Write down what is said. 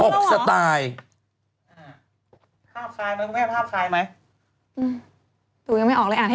ภาพคลายไหมพี่แม่ภาพคลายไหม